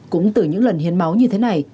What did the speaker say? cũng từ những lần hiến máu như thế này